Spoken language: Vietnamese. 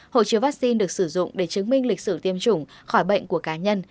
hộ chiếu vaccine được sử dụng để chứng minh lịch sử tiêm chủng khỏi bệnh của cá nhân